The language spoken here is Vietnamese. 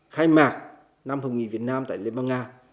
khai mạc năm hồng nghị việt nam tại liên bang nga